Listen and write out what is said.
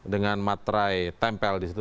dengan materai tempel disitu